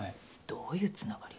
どういうつながり？